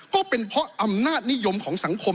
ก็เป็นเพราะอำนาจนิยมของสังคม